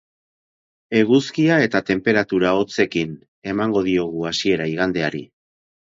Eguzkia eta tenperatura hotzekin emango diogu hasiera igandeari.